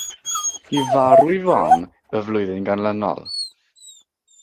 Bu farw ei fam y flwyddyn ganlynol.